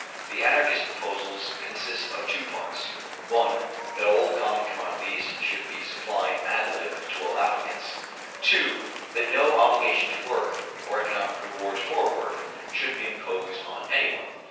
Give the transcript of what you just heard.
The Anarchist proposals consist of two parts: (1) That all the common commodities should be supplied ad lib. to all applicants; (2) That no obligation to work, or economic reward for work, should be imposed on anyone.